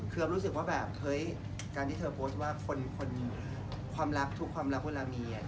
คือรู้สึกว่าแบบเฮ้ยการที่เธอโพสต์ว่าคนความรักทุกความรักเวลามี